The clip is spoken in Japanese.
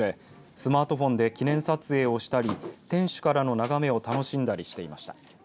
スマートフォンで記念撮影をしたり天守からの眺めを楽しんだりしていました。